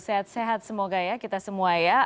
sehat sehat semoga ya kita semua ya